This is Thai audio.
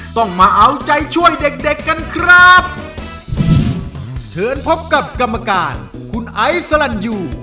ต้องมาเอาใจช่วยเด็กเด็กกันครับเชิญพบกับกรรมการคุณไอซ์สลันยู